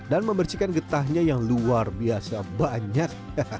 dan membersihkan getahnya yang luar biasa banyak